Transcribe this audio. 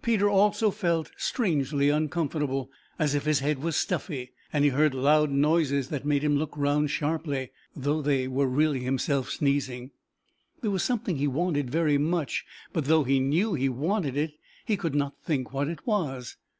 Peter also felt strangely uncomfortable, as if his head was stuffy, he heard loud noises that made him look round sharply, though they were really himself sneezing. There was something he wanted very much, but, though he knew he wanted it, he could not think what it was.